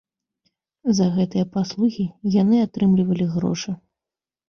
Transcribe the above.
За гэтыя паслугі яны атрымлівалі грошы.